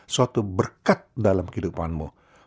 suatu berkat dalam kehidupanmu